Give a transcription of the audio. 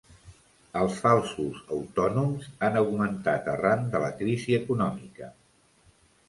Els falsos autònoms han augmentat arran de la crisi econòmica.